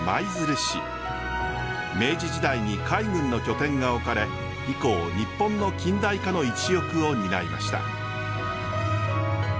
明治時代に海軍の拠点が置かれ以降日本の近代化の一翼を担いました。